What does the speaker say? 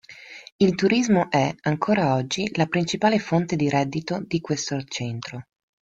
Il turismo è, ancora oggi, la principale fonte di reddito di questo centro.